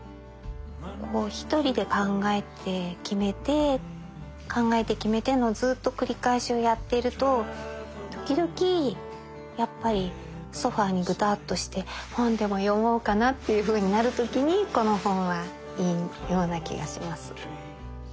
こう一人で考えて決めて考えて決めてのずっと繰り返しをやっていると時々やっぱりソファーにグタッとして本でも読もうかなっていうふうになる時にこの本はいいような気がします。